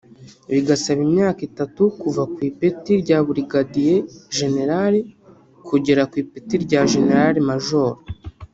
Bigasaba imyaka itatu kuva ku ipeti rya Burigadiye Jenerali kugera ku ipeti rya Jenerali Majoro